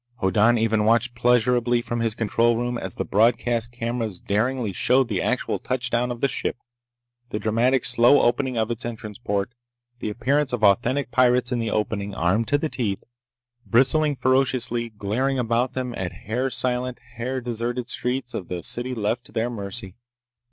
Hoddan even watched pleasurably from his control room as the broadcast cameras daringly showed the actual touch down of the ship; the dramatic slow opening of its entrance port: the appearance of authentic pirates in the opening, armed to the teeth, bristling ferociously, glaring about them at the here silent, here deserted streets of the city left to their mercy.